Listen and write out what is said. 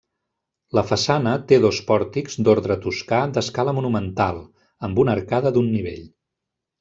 La façana té dos pòrtics d'ordre toscà d'escala monumental, amb una arcada d'un nivell.